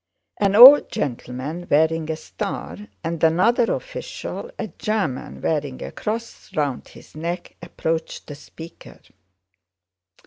An old gentleman wearing a star and another official, a German wearing a cross round his neck, approached the speaker.